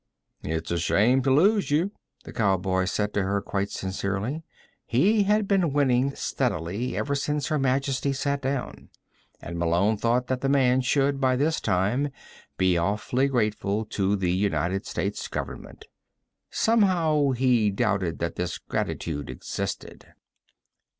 "It's a shame to lose you," the cowboy said to her, quite sincerely. He had been winning steadily ever since Her Majesty sat down, and Malone thought that the man should, by this time, be awfully grateful to the United States Government. Somehow, he doubted that this gratitude existed.